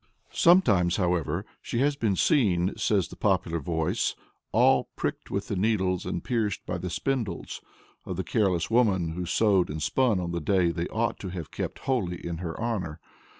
Sometimes, however, she has been seen, says the popular voice, "all pricked with the needles and pierced by the spindles" of the careless woman who sewed and spun on the day they ought to have kept holy in her honor.